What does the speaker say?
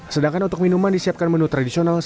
sedangkan untuk minuman disiapkan menu tradisional